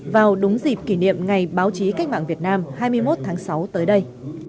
vào đúng dịp kỷ niệm ngày báo chí cách mạng việt nam hai mươi một tháng sáu tới đây